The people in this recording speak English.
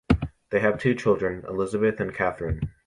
They have two children, Elizabeth and Catherine.